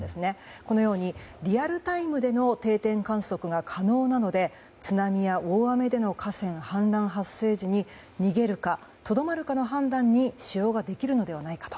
このようにリアルタイムでの定点観測が可能なので津波や大雨での河川氾濫発生時に逃げるか、とどまるかの判断に使用ができるのではないかと。